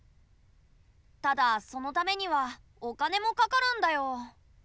ただそのためにはお金もかかるんだよ。